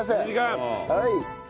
はい！